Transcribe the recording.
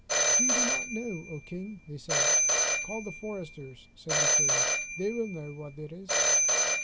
"We do not know, O King," they said. "Call the foresters," said the king, "They will know what it is."